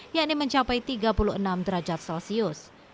yang ini mencapai tiga puluh enam derajat celcius